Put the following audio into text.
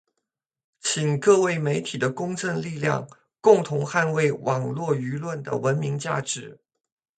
请各位媒体的公正力量，共同捍卫网络舆论的文明价值